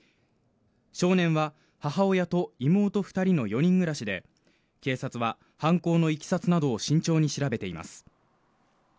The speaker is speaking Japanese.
少年は母親と妹二人の４人暮らしで警察は犯行の経緯などを慎重に調べています